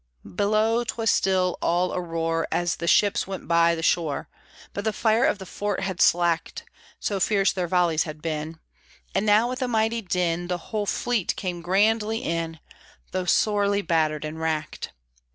Below, 'twas still all a roar, As the ships went by the shore, But the fire of the Fort had slacked (So fierce their volleys had been), And now with a mighty din, The whole fleet came grandly in, Though sorely battered and wracked.